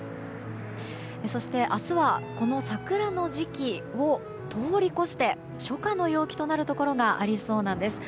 そして明日はこの桜の時期を通り越して初夏の陽気となるところがありそうなんです。